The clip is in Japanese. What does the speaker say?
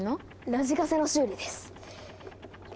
ラジカセの修理です！